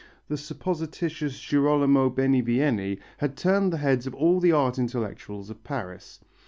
The supposititious Girolamo Benivieni had turned the heads of all the art intellectuals of Paris.